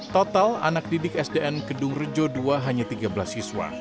total anak didik sdn kedung rejo ii hanya tiga belas siswa